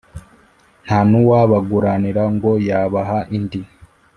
nta n'uwabaguranira ngo yabaha indi.